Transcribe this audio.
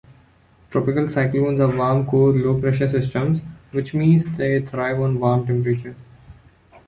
Tropical cyclones are warm-core low-pressure systems, which means they thrive on warm temperatures.